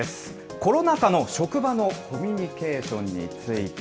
コロナ禍の職場のコミュニケーションについて。